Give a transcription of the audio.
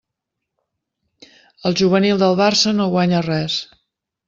El juvenil del Barça no guanya res.